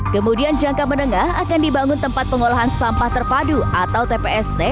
kemudian jangka menengah akan dibangun tempat pengolahan sampah terpadu atau tpst